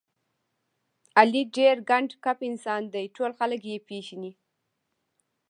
علي ډېر ګنډ کپ انسان دی، ټول خلک یې پېژني.